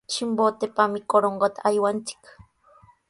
Chimbotepami Corongota aywanchik.